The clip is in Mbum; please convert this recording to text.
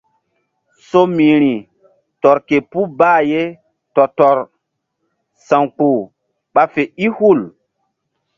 Somiri tɔr ke puh bah ye tɔ-tɔrsa̧wkpuh ɓa fe i hul.